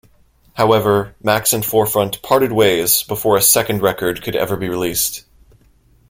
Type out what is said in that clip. However, Max and Forefront parted ways before a second record could ever be released.